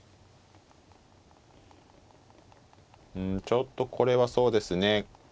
うんちょっとこれはそうですね